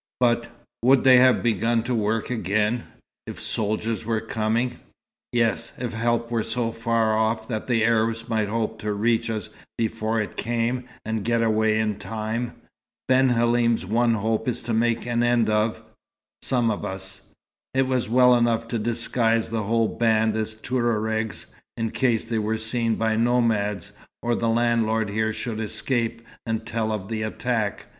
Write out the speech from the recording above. "But would they have begun to work again, if soldiers were coming?" "Yes, if help were so far off that the Arabs might hope to reach us before it came, and get away in time. Ben Halim's one hope is to make an end of some of us. It was well enough to disguise the whole band as Touaregs, in case they were seen by nomads, or the landlord here should escape, and tell of the attack.